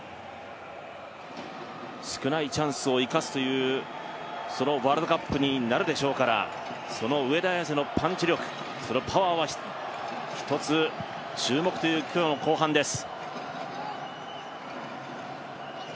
少ないチャンスを生かすというワールドカップになるでしょうからその上田綺世のパンチ力パワーはひとつ注目という今日の後半です。